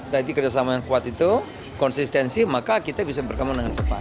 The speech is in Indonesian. tadi kerjasama yang kuat itu konsistensi maka kita bisa berkembang dengan cepat